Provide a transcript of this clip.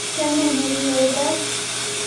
কেনো, মেরিওয়েদার?